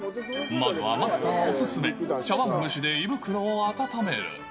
まずはマスターお勧め、茶わん蒸しで胃袋を温める。